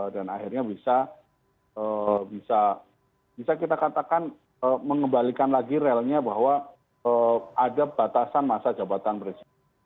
dan akhirnya bisa kita katakan mengembalikan lagi relnya bahwa ada batasan masa jabatan presiden